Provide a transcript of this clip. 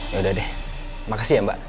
yaudah deh makasih ya mbak